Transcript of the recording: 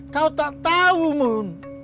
kau tak tahu mun